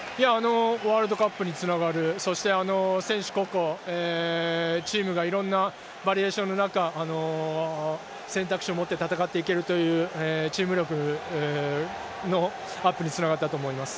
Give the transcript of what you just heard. ワールドカップにつながる、そして選手個々、チームがいろんなバリエーションの中、選択肢を持って戦っていけるというチーム力のアップにつながったと思います。